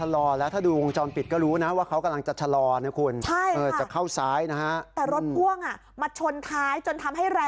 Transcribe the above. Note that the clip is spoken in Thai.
แล้วก็ขับรถมา